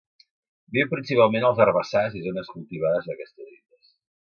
Viu principalment als herbassars i zones cultivades d'aquestes illes.